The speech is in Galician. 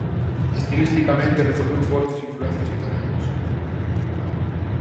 Estilisticamente recibiu fortes influencias italianas.